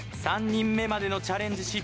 ３人目までのチャレンジ